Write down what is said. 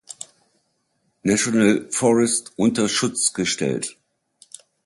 National Forest unter Schutz gestellt.